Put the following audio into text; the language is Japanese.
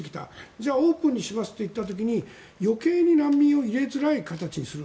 じゃあオープンにしますといった時に余計に難民を入れづらい形にする。